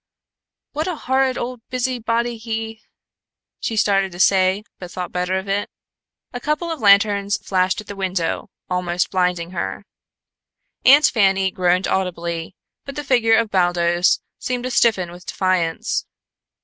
"What a horrid old busy body he " she started to say, but thought better of it. A couple of lanterns flashed at the window, almost blinding her. Aunt Fanny groaned audibly, but the figure of Baldos seemed to stiffen with defiance.